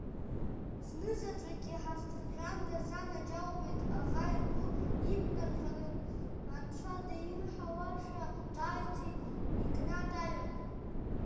Знызаҵәык иҳазҭырҟьандаз анаџьалбеит, аӷа игәы имнаҟьарын, анцәа диҳәауашәа ҿааиҭит Игнат Аҩардан…